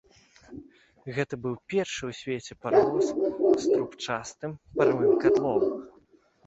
Гэта быў першы ў свеце паравоз з трубчастым паравым катлом.